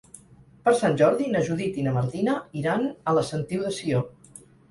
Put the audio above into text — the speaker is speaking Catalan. Per Sant Jordi na Judit i na Martina iran a la Sentiu de Sió.